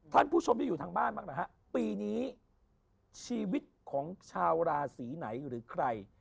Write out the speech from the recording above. ท่านผู้ชมที่อยู่ทางบ้านบ้างล่ะฮะปีนี้ชีวิตของชาวราศีไหนหรือใคร